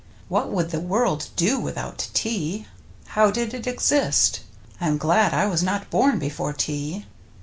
What would the world do without tea? How did it exist? I am glad I was not born before tea.